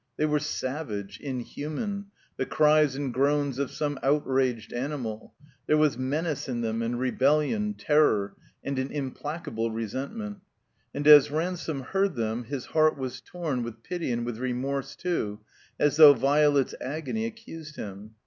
They were savage, inhuman ; the cries and groans of some outraged animal; there was menace in them and rebeUion, terror, and an implacable resentment. And as Ransome heard them his heart was torn with pity and with remorse too, as though Violet's agony accused him.